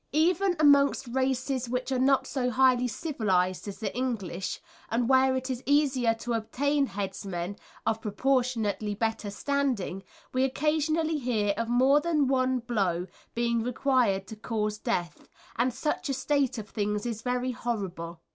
Even amongst races which are not so highly civilised as the English, and where it is easier to obtain headsmen of proportionately better standing, we occasionally hear of more than one blow being required to cause death, and such a state of things is very horrible.